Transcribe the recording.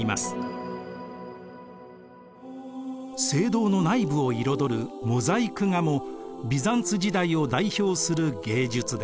聖堂の内部を彩るモザイク画もビザンツ時代を代表する芸術です。